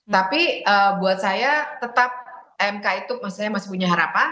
tapi buat saya tetap mk itu maksudnya masih punya harapan